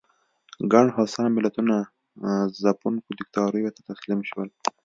ګڼ هوسا ملتونه ځپونکو دیکتاتوریو ته تسلیم شول.